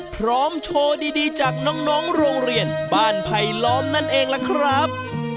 พร้อมโชว์ดีจากน้องโรงเรียนบ้านไผลล้อมนั่นเองล่ะครับ